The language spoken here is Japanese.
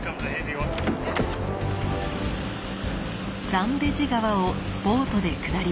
ザンベジ川をボートで下り